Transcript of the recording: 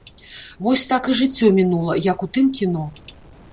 Вось так і жыццё мінула, як у тым кіно.